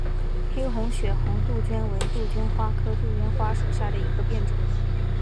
黑红血红杜鹃为杜鹃花科杜鹃花属下的一个变种。